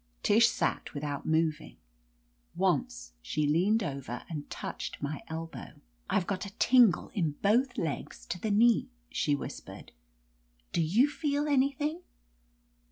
Tish sat without mov ing. Once she leaned over and touched my elbow. "I've got a tingle in both legs to the knee,'^ she whispered. "Do you feel anything?"